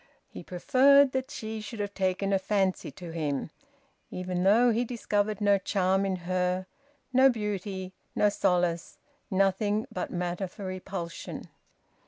He preferred that she should have taken a fancy to him, even though he discovered no charm in her, no beauty, no solace, nothing but matter for repulsion.